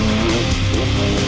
tiga dua satu